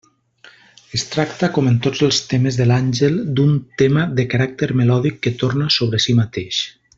Es tracta, com en tots els temes de l'àngel, d'un tema de caràcter melòdic que torna sobre si mateix.